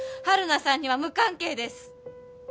晴汝さんには無関係です。